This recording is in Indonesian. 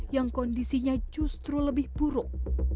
yang kondisinya justru lebih buruk